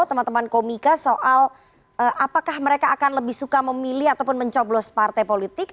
teman teman komika soal apakah mereka akan lebih suka memilih ataupun mencoblos partai politik